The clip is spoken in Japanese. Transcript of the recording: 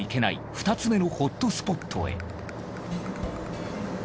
２つ目のホットスポットへ。